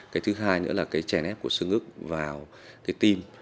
cái thứ hai nữa là cái chèn ép của sương ức vào cái tim